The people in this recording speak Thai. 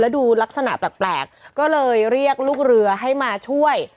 ดูลักษณะแปลกก็เลยเรียกลูกเรือให้มาช่วย